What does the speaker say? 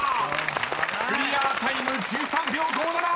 ［クリアタイム１３秒５７］